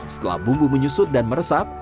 setelah bumbu menyusut dan meresap